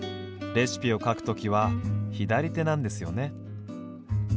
レシピを書くときは左手なんですよね。